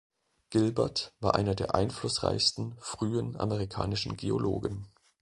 Gilbert war einer der einflussreichsten frühen amerikanischen Geologen.